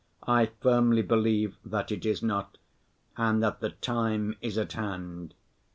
I firmly believe that it is not and that the time is at hand.